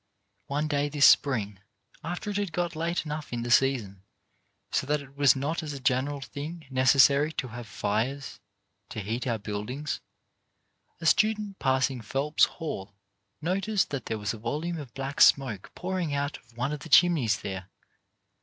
One day this spring, after it had got late enough in the season so that it was not as a general thing necessary to have fires to heat our buildings, a student passing Phelps Hall noticed that there was a volume of black smoke pouring out of one of the chimneys there.